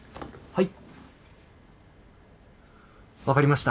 はい。